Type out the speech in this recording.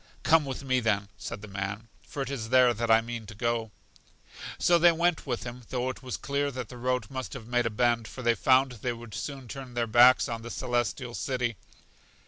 Come with me, then, said the man, for it is there that I mean to go. So they went with him, though it was clear that the road must have made a bend, for they found they would soon turn their backs on The Celestial City.